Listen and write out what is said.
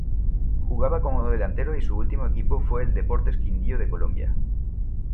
Jugaba como delantero y su ultimo equipo fue el Deportes Quindío de Colombia.